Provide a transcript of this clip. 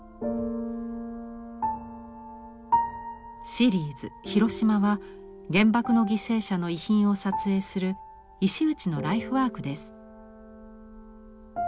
シリーズ「ひろしま」は原爆の犠牲者の遺品を撮影する石内のライフワークです。